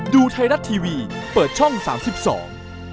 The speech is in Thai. ดูไทรัสทีวีเปิดช่อง๓๒